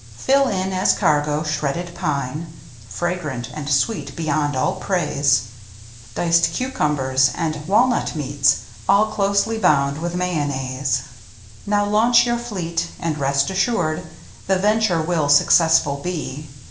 Fill in as cargo shredded pine (Fragrant, and sweet beyond all praise) , Diced cucumbers, and walnut meats. All closely bound with mayonnaise. Now launch your fleet, and rest assured The venture will successful be.